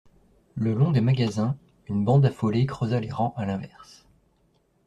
Le long des magasins, une bande affolée creusa les rangs à l'inverse.